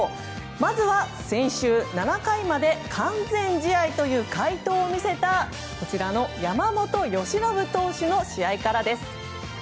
まずは、先週７回まで完全試合という快投を見せた山本由伸投手の試合からです。